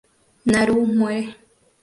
Naru muere.